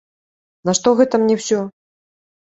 Нашто гэта мне ўсё?